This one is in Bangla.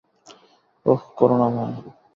ওহ, করুণাময়!